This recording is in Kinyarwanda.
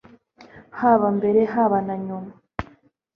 haba mbere, haba na nyuma